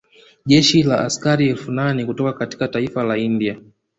Jeshi la askari elfu nane kutoka katika taifa la India